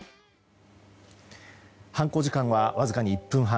犯行時間はわずかに１分半。